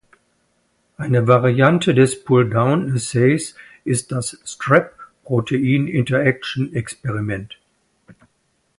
Eine Variante des Pulldown-Assays ist das Strep-Protein Interaction Experiment.